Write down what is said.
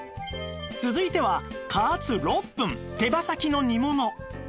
続いては加圧６分手羽先の煮物